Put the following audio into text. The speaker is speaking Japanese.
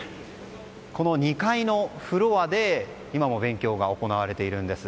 この２階のフロアで今も勉強が行われているんです。